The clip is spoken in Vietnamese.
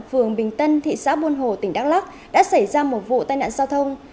phường bình tân thị xã buôn hồ tỉnh đắk lắc đã xảy ra một vụ tai nạn giao thông